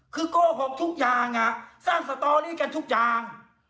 คือโกหกทุกอย่างสร้างสตอรี่กันทุกอย่าง